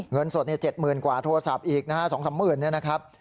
เงินสด๗หมื่นกว่าโทรศัพท์อีก๒สัมหมื่นนะครับ